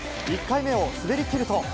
１回目を滑りきると。